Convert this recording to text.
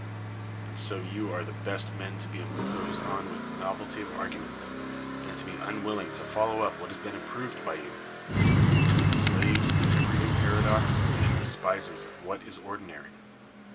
And so you are the best men to be imposed on with novelty of argument, and to be unwilling to follow up what has been ap proved by you; being slaves to every new para C L E O N dox, and despisers of what is ordinary.